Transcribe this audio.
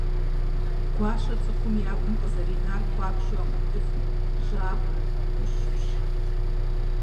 Гуащэ цӏыхум я гум къызэринар хуабжьу акъылыфӀэу, жьакӀуэу, Ӏущущ.